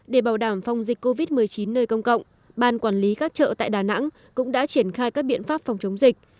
để bảo đảm phòng dịch covid một mươi chín nơi công cộng ban quản lý các chợ tại đà nẵng cũng đã triển khai các biện pháp phòng chống dịch